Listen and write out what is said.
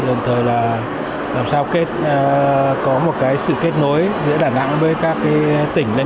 đồng thời là làm sao có một sự kết nối giữa đà nẵng với các tỉnh lên cận